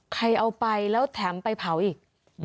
เอาไปแล้วแถมไปเผาอีก